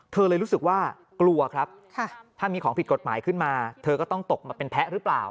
เลยรู้สึกว่ากลัวครับถ้ามีของผิดกฎหมายขึ้นมาเธอก็ต้องตกมาเป็นแพ้หรือเปล่า